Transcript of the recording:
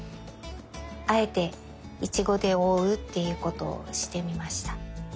あえてイチゴでおおうっていうことをしてみました。